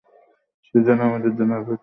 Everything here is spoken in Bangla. সে যেন আমাদের জন্যে অপেক্ষা করছিলো।